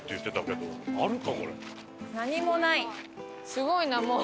すごいなもう。